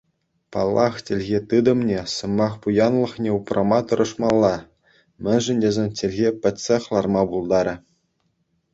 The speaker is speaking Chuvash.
Паллах чӗлхе тытӑмне, сӑмах пуянлӑхне упрама тӑрӑшмалла, мӗншӗн тесен чӗлхе пӗтсех ларма пултарӗ.